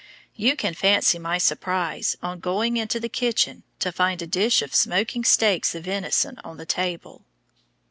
You can fancy my surprise, on going into the kitchen, to find a dish of smoking steaks of venison on the table.